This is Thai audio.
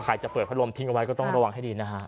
จะเปิดพัดลมทิ้งเอาไว้ก็ต้องระวังให้ดีนะฮะ